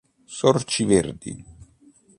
Sorci verdi